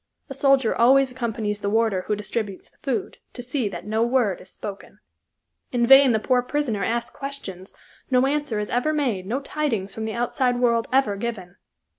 A soldier always accompanies the warder who distributes the food, to see that no word is spoken. In vain the poor prisoner asks questions, no answer is ever made, no tidings from the outside world ever given.